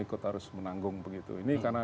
ikut harus menanggung begitu ini karena